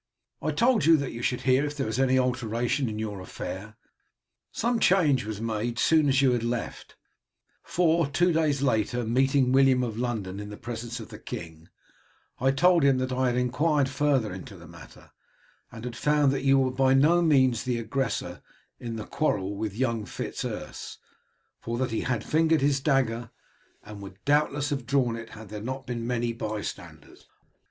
I told you that you should hear if there was any alteration in your affair. Some change was made as soon as you had left; for, two days later, meeting William of London in the presence of the king, I told him that I had inquired further into the matter, and had found that you were by no means the aggressor in the quarrel with young Fitz Urse, for that he had fingered his dagger, and would doubtless have drawn it had there not been many bystanders.